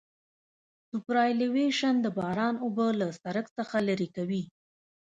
سوپرایلیویشن د باران اوبه له سرک څخه لرې کوي